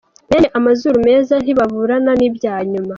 Bene amazuru meza ntibaburana n’ibya nyuma.